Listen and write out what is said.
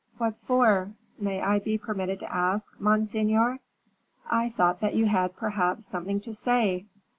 "What for, may I be permitted to ask, monseigneur?" "I thought that you had perhaps something to say."